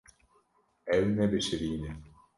Ew nebişirîne.